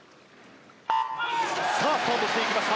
さあ、スタートしていきました。